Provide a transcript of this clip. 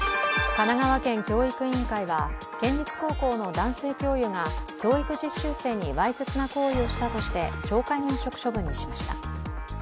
神奈川県教育委員会は県立高校の男性教諭が教育実習生にわいせつな行為をしたとして懲戒免職処分にしました。